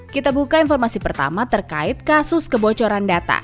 kita buka informasi pertama terkait kasus kebocoran data